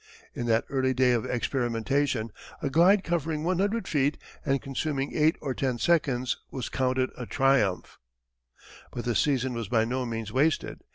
In that early day of experimentation a glide covering one hundred feet, and consuming eight or ten seconds, was counted a triumph. [Illustration: Chanute's Glider.] But the season was by no means wasted.